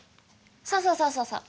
そうそうそうそうそう。